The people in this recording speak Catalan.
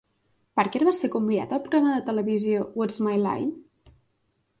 Parker va ser convidat al programa de televisió What's My Line?